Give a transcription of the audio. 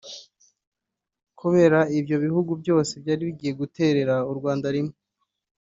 Kubera ibyo bihugu byose byari bigiye guterera u Rwanda rimwe